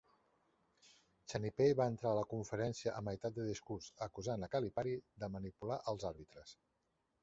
Chaney va entrar a la conferència a meitat de discurs, acusant a Calipari de manipular els àrbitres.